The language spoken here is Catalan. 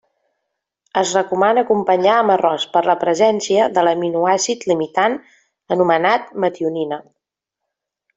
Es recomana acompanyar amb arròs per la presència de l'aminoàcid limitant anomenat metionina.